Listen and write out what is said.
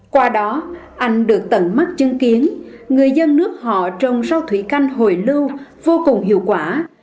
qua đó anh được tận mắt chứng kiến người dân nước họ trồng rau thủy canh hồi lưu vô cùng hiệu quả